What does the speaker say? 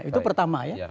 itu pertama ya